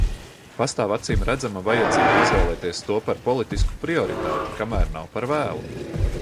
Pastāv acīmredzama vajadzība izvēlēties to par politisku prioritāti, kamēr nav par vēlu.